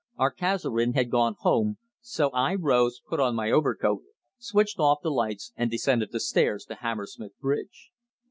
Our "Kaiserin" had gone home, so I rose, put on my overcoat, switched off the lights and descended the stairs to Hammersmith Bridge.